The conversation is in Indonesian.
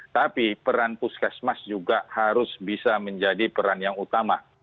tapi peran puskesmas juga harus bisa menjadi peran yang utama